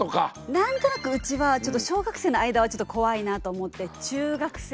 何となくうちはちょっと小学生の間はちょっと怖いなと思って中学生かなと。